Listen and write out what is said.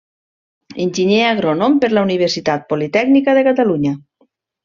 Enginyer agrònom per la Universitat Politècnica de Catalunya.